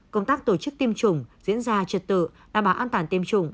công tác tổ chức tiêm chủng diễn ra trật tự đảm bảo an toàn tiêm chủng